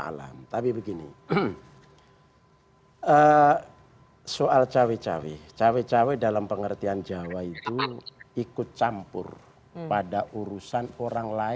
alam tapi begini soal cewek cewek cewek cewek dalam pengertian jawa itu ikut campur pada urusan orang